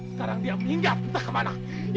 sekarang dia minjap entah kemana